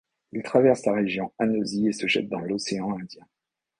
Il traverse la région Anosy et se jette dans l'Océan Indien.